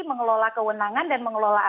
mengelola kewenangan dan mengelola